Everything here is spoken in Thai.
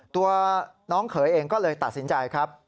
ตัวน้องเขยเองก็เลยตัดสินใจครับ